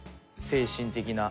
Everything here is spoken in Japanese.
精神的な。